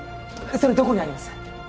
それどこにあります？